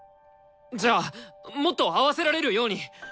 じゃあもっと合わせられるように。